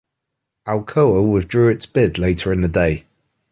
Alcoa withdrew its bid later in the day.